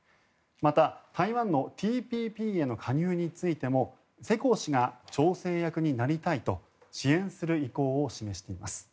また、台湾のＴＰＰへの加入についても世耕氏が調整役になりたいと支援する意向を示しています。